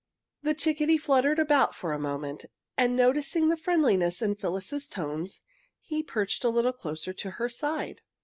The chickadee fluttered about for a moment, and noticing the friendliness in Phyllis's tones he perched a little closer to her side.